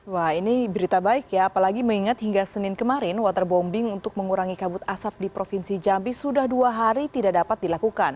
wah ini berita baik ya apalagi mengingat hingga senin kemarin waterbombing untuk mengurangi kabut asap di provinsi jambi sudah dua hari tidak dapat dilakukan